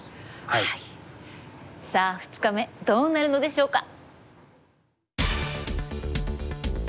さあ２日目どうなるのでしょうか？